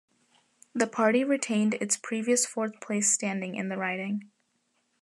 The party retained its previous fourth place standing in the riding.